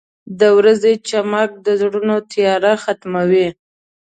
• د ورځې چمک د زړونو تیاره ختموي.